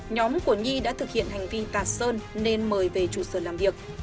nhóm của nhi đã thực hiện hành vi tạt sơn nên mời về chủ sở làm việc